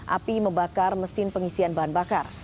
api membakar mesin pengisian bahan bakar